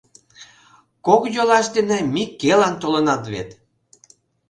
Кок йолаш дене Микелан толынат вет!..